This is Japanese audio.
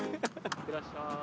いってらっしゃい。